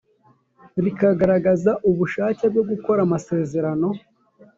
rikagaragaza ubushake bwo gukora amasezerano